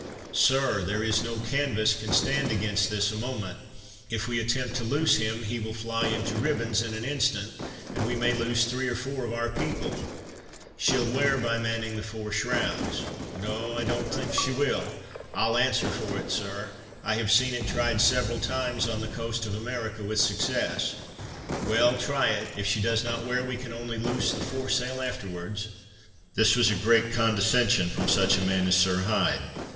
"Sir! there is no canvass can stand against this a moment; if we attempt to loose him he will fly into ribands in an instant, and we may lose three or four of our people; she'll wear by manning the fore shrouds." "No, I don't think she will." "I'll answer for it, Sir; I have seen it tried several times on the coast of America with success." "Well, try it; if she does not wear, we can only loose the fore sail afterwards." This was a great condescension from such a man as Sir Hyde.